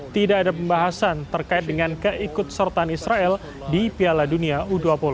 tidak ada pembahasan terkait dengan keikut sertaan israel di piala dunia u dua puluh